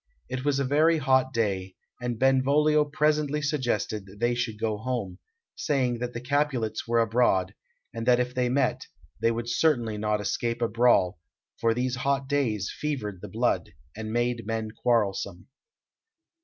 It was a very hot day, and Benvolio presently suggested they should go home, saying that the Capulets were abroad, and that if they met, they would certainly not escape a brawl, for these hot days fevered the blood, and made men quarrelsome.